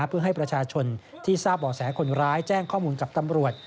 เพื่อให้ประชาชนที่ทราบบ่อแสคนร้ายแจ้งข้อมูลกับตำรวจ